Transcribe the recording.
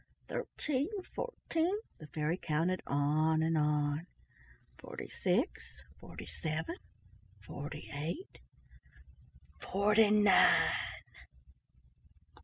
"Thirteen—fourteen" —the fairy counted on and on. "Forty six—forty seven—forty eight—FORTY NINE!"